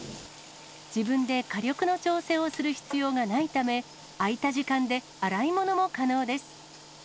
自分で火力の調整をする必要がないため、空いた時間で洗い物も可能です。